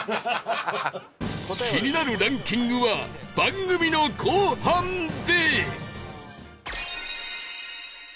気になるランキングは番組の後半で